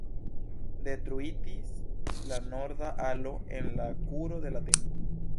Detruitis la norda alo en la kuro de la tempo.